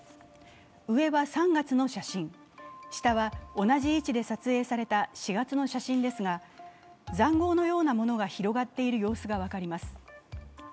上は３月の写真、下は同じ位置で撮影された４月の写真ですが、ざんごうのようなものが広がっている様子が分かります。